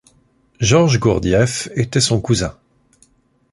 Georges Gurdjieff était son cousin.